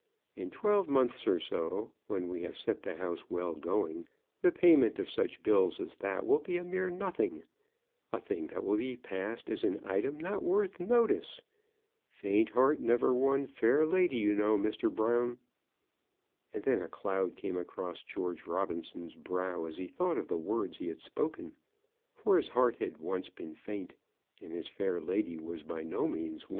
In twelve months or so, when we have set the house well going, the payment of such bills as that will be a mere nothing, a thing that will be passed as an item not worth notice. Faint heart never won fair lady, you know, Mr. Brown." And then a cloud came across George Robinson's brow as he thought of the words he had spoken; for his heart had once been faint, and his fair lady was by no means won.